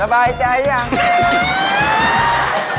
ระบายใจอย่างนี้